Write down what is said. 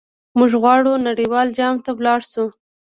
موږ غواړو نړیوال جام ته لاړ شو.